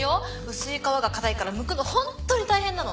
薄い皮が硬いからむくのほんとに大変なの。